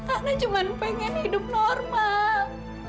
akna cuma pengen hidup normal